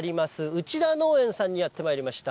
内田農園さんにやってまいりました。